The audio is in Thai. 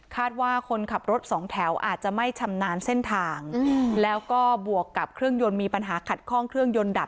ว่าคนขับรถสองแถวอาจจะไม่ชำนาญเส้นทางแล้วก็บวกกับเครื่องยนต์มีปัญหาขัดข้องเครื่องยนต์ดับ